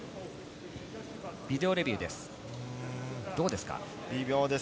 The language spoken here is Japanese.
ビデオレビューです。